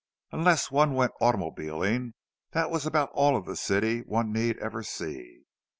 Unless one went automobiling, that was all of the city one need ever see.